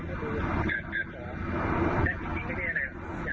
ข้อมูลต่างต่างนะครับเดี๋ยวผมจะให้ครับครับเสร็จครับ